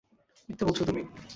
মিথ্যা বলছো তুমি।